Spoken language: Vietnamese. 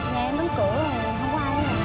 nhà em bấm cửa không có ai ở nhà